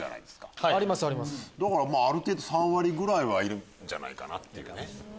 だから３割ぐらいはいるんじゃないかなっていうね。